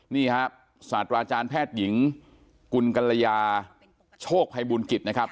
นี่ครับศาสตราจารย์แพทย์หญิงกุลกัลยาโชคภัยบูลกิจนะครับ